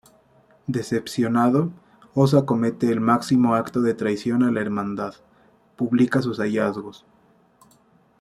Decepcionado, Osa comete el máximo acto de traición a la Hermandad: publica sus hallazgos.